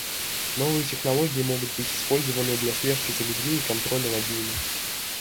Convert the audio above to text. Новые технологии могут быть использованы для слежки за людьми и контроля над ними.